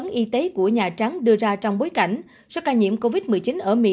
nhiệm vụ y tế của nhà trắng đưa ra trong bối cảnh do ca nhiễm covid một mươi chín ở mỹ